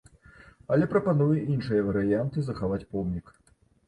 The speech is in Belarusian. Але прапануе іншыя варыянты захаваць помнік.